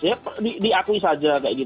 ya diakui saja kayak gitu